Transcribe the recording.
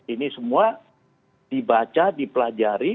ini semua dibaca dipelajari